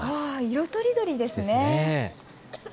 色とりどりですね。